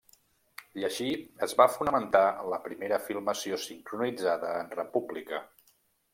I així es va fonamentar la primera filmació sincronitzada en república.